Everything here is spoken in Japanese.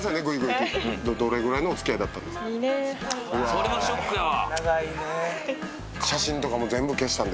それはショックやわ。